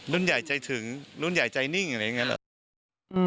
รุ่นใหญ่ใจถึงรุ่นใหญ่ใจนิ่งอะไรอย่างนี้เหรอ